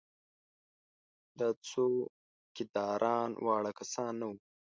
دا څوکیداران واړه کسان نه وو.